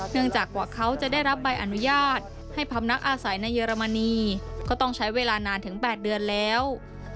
จากว่าเขาจะได้รับใบอนุญาตให้พำนักอาศัยในเยอรมนีก็ต้องใช้เวลานานถึง๘เดือนแล้ว